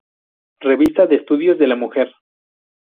Revista de Estudios de la Mujer".